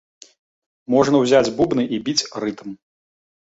Можна ўзяць бубны і біць рытм.